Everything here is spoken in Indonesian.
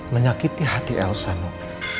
menyakiti hati elsa nuk